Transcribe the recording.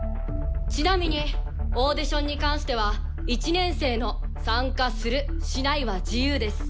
ちなみにオーディションに関しては１年生の参加するしないは自由です。